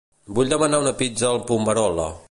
Vull demanar una pizza al Pummarola.